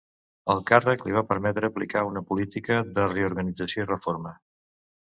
El càrrec li va permetre aplicar una política de reorganització i reforma.